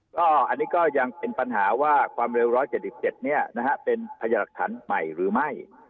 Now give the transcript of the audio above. ก็อันนี้ก็ยังเป็นปัญหาว่าความเร็วรถ๗๗เนี่ยนะฮะเป็นพัยรักษันใหม่หรือไม่